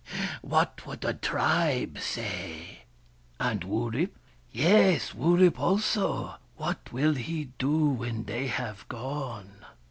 what would the tribe say !"" And Wurip !"" Yes, Wurip also. What will he do when they have gone